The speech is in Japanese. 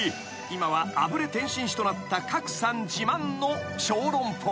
今はあぶれ点心師となった郭さん自慢の小籠包］